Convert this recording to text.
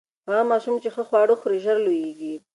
هغه ماشوم چې ښه خواړه خوري، ژر لوییږي.